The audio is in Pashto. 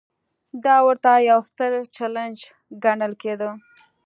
دا ورته یو ستر چلنج ګڼل کېده.